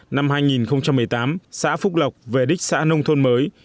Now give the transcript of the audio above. năm hai nghìn một mươi tám xã phúc lộc về đích xã nông thôn mới